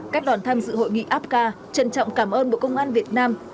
các đoàn tham dự hội nghị apca trân trọng cảm ơn bộ công an việt nam